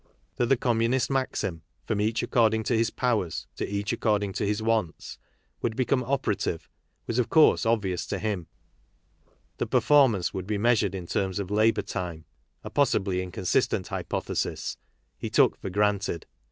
That the Com munist maxim, " From each according to his powers, to each according to his wants," would become operative was, of course, obvious to him ; that performance would be measured in terms of labour time (a possibly incon 38 KARL MARX sistent hypothesis) he took for granted.